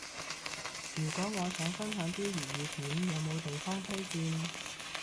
如果我想分享啲粵語片，有冇地方推薦？